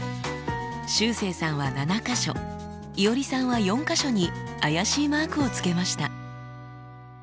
しゅうせいさんは７か所いおりさんは４か所に怪しいマークをつけました。